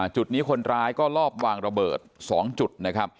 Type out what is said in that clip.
จุดนี้คนร้ายก็ลอบวางระเบิด๒จุดนะครับ